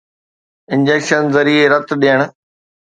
injection ذريعي رت ڏيڻ